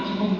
thế cho nên